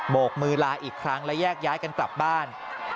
กมือลาอีกครั้งและแยกย้ายกันกลับบ้าน